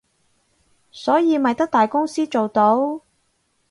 所以咪得大公司做到